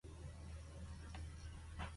밤을 새워 어둠을 짖는다.